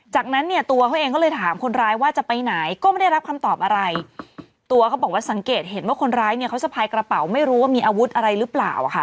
จากนั้นเนี่ยตัวเขาเองก็เลยถามคนร้ายว่าจะไปไหนก็ไม่ได้รับคำตอบอะไรตัวเขาบอกว่าสังเกตเห็นว่าคนร้ายเนี่ยเขาสะพายกระเป๋าไม่รู้ว่ามีอาวุธอะไรหรือเปล่าค่ะ